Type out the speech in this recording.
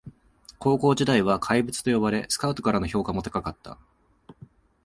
高校時代は怪物と呼ばれスカウトからの評価も高かった